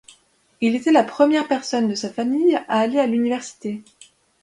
Il était la première personne de sa famille à aller à l'université.